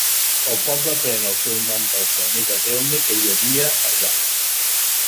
El poble pren el seu nom del graner de delme que hi havia allà.